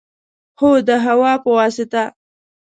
هو، د هوا په واسطه